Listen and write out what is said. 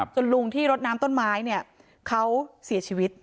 ลุงที่รดน้ำต้นไม้เนี่ยเขาเสียชีวิต